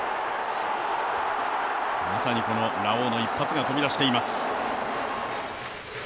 まさにこのラオウの一発が飛び出しています。